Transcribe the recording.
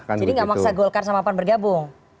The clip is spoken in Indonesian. jadi gak maksa golkar sama pan bergabung